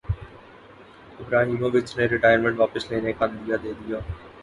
Ibrahimovic نے retirement واپس لینے کا عندیہ دیدیا